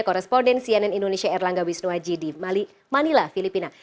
koresponden cnn indonesia erlangga wisnuwaji di manila filipina